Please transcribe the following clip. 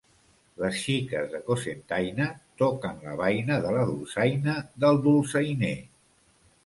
Les xiques de Cocentaina toquen la baina de la dolçaina del dolçainer.